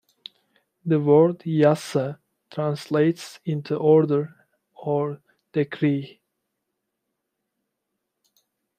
The word Yassa translates into "order" or "decree".